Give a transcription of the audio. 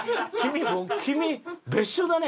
「君別所だね」